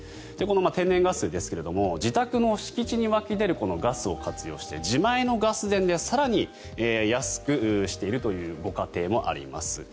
天然ガスですが自宅の敷地に湧き出るガスを活用して自前のガス田で更に安くしているというご家庭もあります。